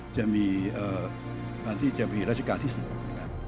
จะมีราชกาลที่สุดนะครับ